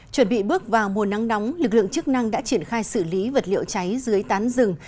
chuẩn bị bước vào mùa nắng nóng lực lượng chức năng đã triển khai xử lý vật liệu cháy dưới tán rừng